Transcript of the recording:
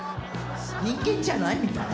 人間じゃないみたい。